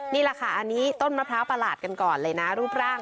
นี่แหละค่ะอันนี้ต้นมะพร้าวประหลาดกันก่อนเลยนะรูปร่าง